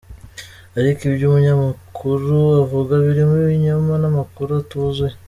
Ariko ibyo umunyamakuru avuga birimo ibinyoma n’amakuru atuzuye.